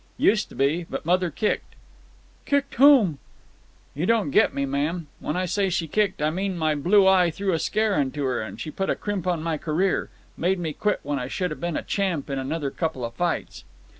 "Used to be. But mother kicked." "Kicked whom?" "You don't get me, ma'am. When I say she kicked, I mean my blue eye threw a scare into her, and she put a crimp in my career. Made me quit when I should have been champ in another couple of fights."